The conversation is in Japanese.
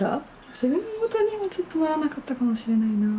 自分事にはちょっとならなかったかもしれないな。